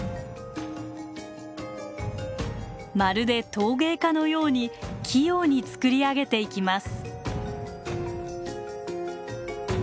まるで陶芸家のように器用に作り上げていきます。